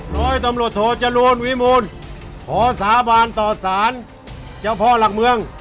ร้อยตำรวจโทจรูลวิมูลขอสาบานต่อสารเจ้าพ่อหลักเมือง